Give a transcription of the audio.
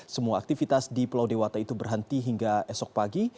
semua aktivitas di pulau dewata itu berhenti hingga esok pagi